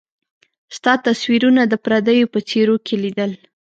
ستا تصويرونه د پرديو په څيرو کي ليدل